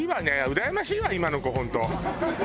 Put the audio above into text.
うらやましいわ今の子本当。